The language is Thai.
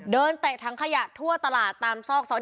เดินเตะทั้งขยะทั่วตลาดตามซอกซออย